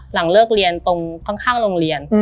หลังเลิกเรียนตรงข้างโรงเรียน